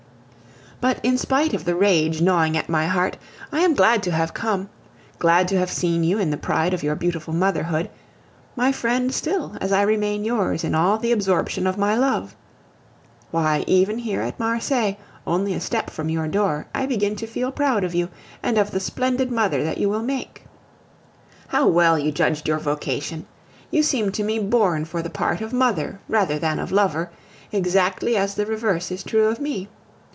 But in spite of the rage gnawing at my heart, I am glad to have come, glad to have seen you in the pride of your beautiful motherhood, my friend still, as I remain yours in all the absorption of my love. Why, even here at Marseilles, only a step from your door, I begin to feel proud of you and of the splendid mother that you will make. How well you judged your vocation! You seem to me born for the part of mother rather than of lover, exactly as the reverse is true of me.